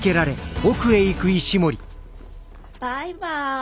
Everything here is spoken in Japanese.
バイバイ。